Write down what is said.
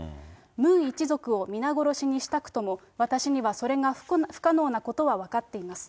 ムン一族を皆殺しにしたくとも、私にはそれが不可能なことは分かっています。